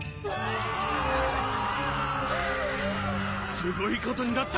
すごいことになった。